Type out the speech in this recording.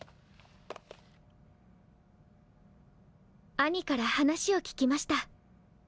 「兄から話を聞きました。